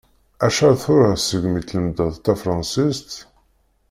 Acḥal tura segmi tlemmdeḍ tafransist?